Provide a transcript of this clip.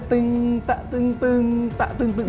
ตึงตะตึงตึงตะตึงตึง